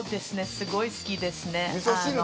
すごい好きですね。